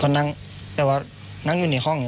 เขานั่งแบบว่านั่งอยู่ในห้อง